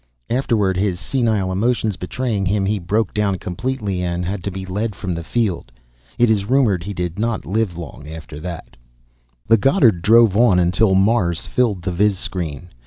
Afterward, his senile emotions betraying him, he broke down completely and had to be led from the field. It is rumored he did not live long after that. The Goddard drove on until Mars filled the viz screen.